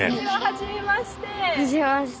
はじめまして！